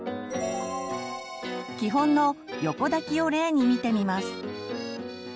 基本の横抱きを例に見てみます。